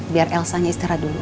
biar elsa nya istirahat dulu